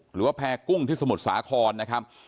หรือว่าแพร่กุ้งที่สมุทรสาครนะครับ